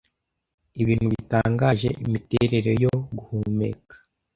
Ibintu bitangaje, imiterere yo guhumeka